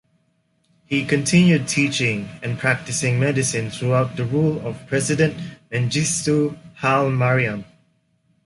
He continued teaching and practicing medicine throughout the rule of President Mengistu Haile-Mariam.